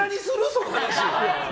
その話。